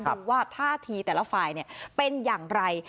ดูว่าท่าทีแต่ละฝ่ายเป็นอย่างไร